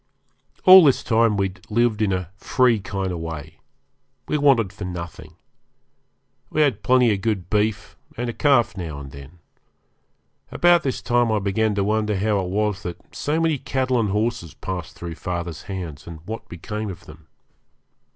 All this time we had lived in a free kind of way we wanted for nothing. We had plenty of good beef, and a calf now and then. About this time I began to wonder how it was that so many cattle and horses passed through father's hands, and what became of them.